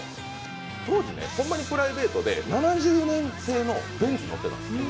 当時、ホンマにプライベートで７０年代製のベンツ乗ってたんです